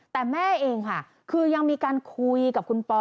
แต่แม่เองค่ะคือยังมีการคุยกับคุณปอ